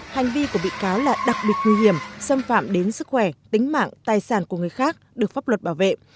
hành vi của bị cáo là đặc biệt nguy hiểm xâm phạm đến sức khỏe tính mạng tài sản của người khác được pháp luật bảo vệ